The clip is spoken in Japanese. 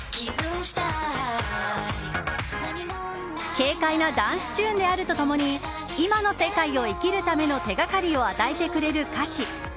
軽快なダンスチューンであると共に今の世界を生きるための手がかりを与えてくれる歌詞。